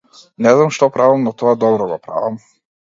Не знам што правам но тоа добро го правам.